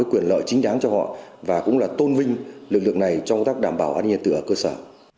quyền lợi chính đáng cho họ và cũng là tôn vinh lực lượng này trong công tác đảm bảo an ninh nhà tự ở cơ sở